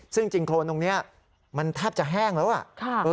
ซึ่งจริงโครนตรงนี้มันแทบจะแห้งแล้ว